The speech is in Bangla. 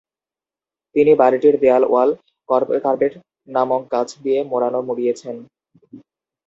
তিনি বাড়িটির দেয়াল ওয়াল কার্পেট নামক গাছ দিয়ে মোড়ানো মুড়িয়েছেন।